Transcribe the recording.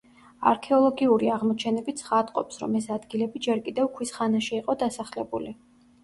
არქეოლოგიური აღმოჩენები ცხადყოფს, რომ ეს ადგილები ჯერ კიდევ ქვის ხანაში იყო დასახლებული.